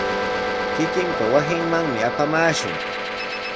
Kikinpa wasinmanmi apamaashun.